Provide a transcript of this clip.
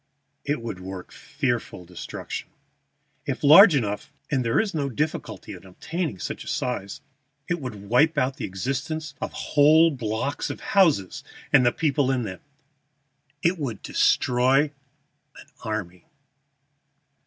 "It would work fearful destruction. If large enough (and there is no difficulty in obtaining such a size), it would wipe out of existence whole blocks of houses and the people in them. It would destroy an army."